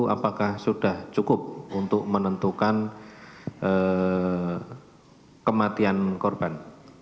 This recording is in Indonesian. apakah sudah cukup untuk menentukan kematian korban